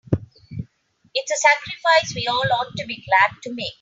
It's a sacrifice we all ought to be glad to make.